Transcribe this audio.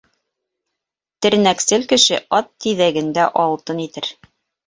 Тернәксел кеше ат тиҙәген дә алтын итер.